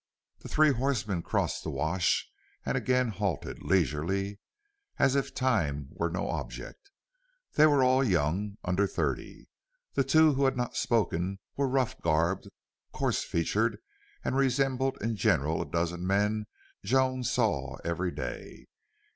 The three horsemen crossed the wash and again halted, leisurely, as if time was no object. They were all young, under thirty. The two who had not spoken were rough garbed, coarse featured, and resembled in general a dozen men Joan saw every day.